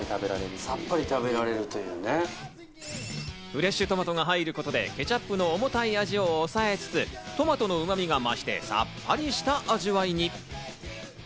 フレッシュトマトが入ることでケチャップの重たい味を抑えつつ、トマトのうま味が増して、さっぱりした味わいに。